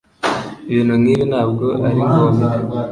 Ibintu nkibi ntabwo ari ngombwa